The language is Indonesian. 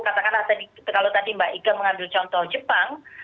katakanlah kalau tadi mbak ika mengambil contoh jepang